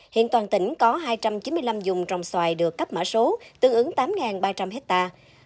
hiện toàn tỉnh có hai trăm chín mươi năm dùng trồng xoài được cấp mã số tương ứng tám ba trăm linh hectare